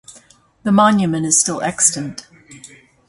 The monument is still extant.